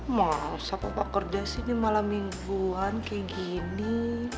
masa papa kerja sih di malam mingguan kayak gini